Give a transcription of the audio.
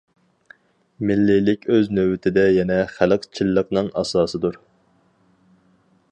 مىللىيلىك ئۆز نۆۋىتىدە يەنە خەلقچىللىقنىڭ ئاساسىدۇر.